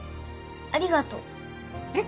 ありがとう。えっ？